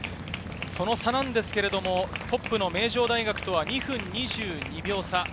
その差はトップの名城大学とは２分２２秒差。